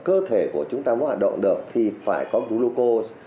cơ thể của chúng ta mới hoạt động được thì phải có bluco